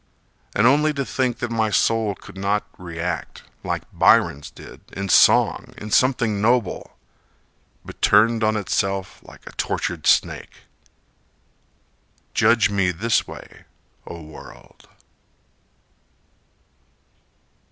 And only to think that my soul could not react, Like Byron's did, in song, in something noble, But turned on itself like a tortured snake—judge me this way, O world.